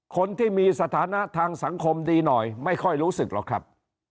คนที่มีสถานะทางสังคมดีหน่อยไม่ค่อยรู้สึกหรอกครับ